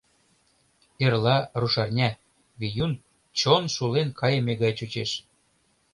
— Эрла рушарня, — Веюн чон шулен кайыме гай чучеш.